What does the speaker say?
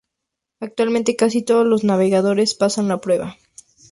Actualmente casi todos los navegadores pasan la prueba.